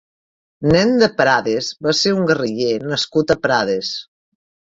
Nen de Prades va ser un guerriller nascut a Prades.